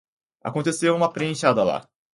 Aconteceu uma pechada lá